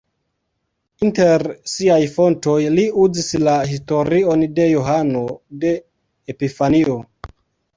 Inter siaj fontoj li uzis la historion de Johano de Epifanio.